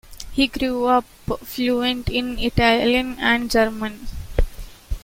He grew up fluent in Italian and German.